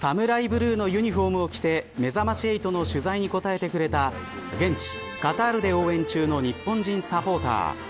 ブルーのユニホームを着てめざまし８の取材に答えてくれた現地カタールで応援中の日本人サポーター。